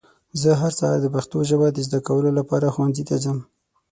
زه هر سهار د پښتو ژبه د ذده کولو لپاره ښونځي ته ځم.